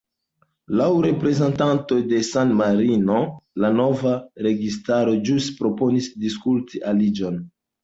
Laŭ reprezentanto de San-Marino, la nova registaro ĵus proponis diskuti aliĝon.